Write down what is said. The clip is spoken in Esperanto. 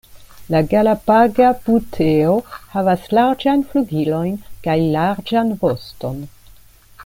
La Galapaga buteo havas larĝajn flugilojn kaj larĝan voston.